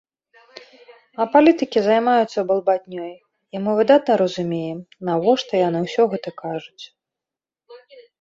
А палітыкі займаюцца балбатнёй, і мы выдатна разумеем, навошта яны ўсё гэта кажуць.